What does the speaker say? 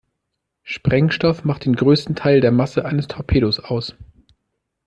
Sprengstoff macht den größten Teil der Masse eines Torpedos aus.